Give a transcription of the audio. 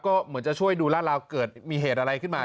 ก็เหมือนจะช่วยดูลาดราวเกิดมีเหตุอะไรขึ้นมา